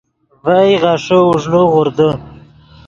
ڤئے غیݰے اوݱڑے غوردے